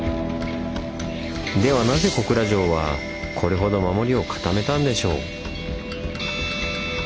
ではなぜ小倉城はこれほど守りを固めたんでしょう？